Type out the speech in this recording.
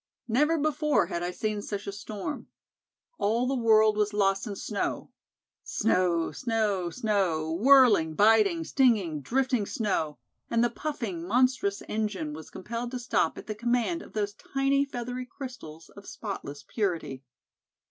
Never before had I seen such a storm. All the world was lost in snow snow, snow, snow whirling, biting, stinging, drifting snow and the puffing, monstrous engine was compelled to stop at the command of those tiny feathery crystals of spotless purity.